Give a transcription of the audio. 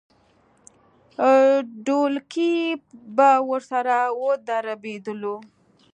ډولکی به ورسره ودربېدلو.